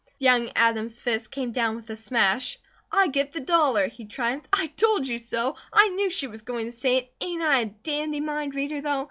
Young Adam's fist came down with a smash. "I get the dollar!" he triumphed. "I TOLD you so! I KNEW she was going to say it! Ain't I a dandy mind reader though?